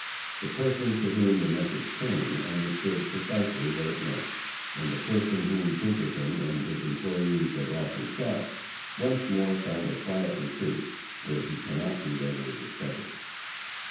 The person to whom the message came understood precisely what it meant, and the person whom Pinkerton and his employees have often sought, once more found a quiet retreat, where he cannot be readily discovered.